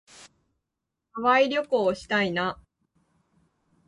ハワイ旅行したいな。